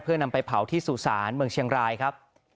เพื่อนำไปเผาที่สู่ศาลเมืองเชียงรายครับ